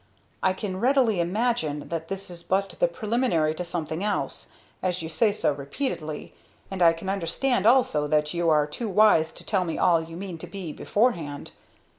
"I can readily imagine that this is but the preliminary to something else, as you say so repeatedly; and I can understand also that you are too wise to tell me all you mean to be beforehand.